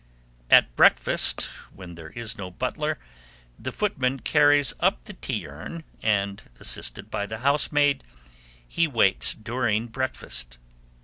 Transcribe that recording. At breakfast, when there is no butler, the footman carries up the tea urn, and, assisted by the housemaid, he waits during breakfast.